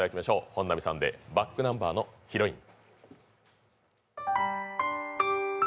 本並さんでｂａｃｋｎｕｍｂｅｒの「ヒロイン」。